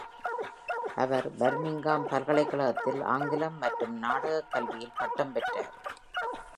அவர் Birmingham பல்கலைக்கழகத்தில் ஆங்கிலம் மற்றும் நாடக கல்வியில் பட்டம் பெற்றார்.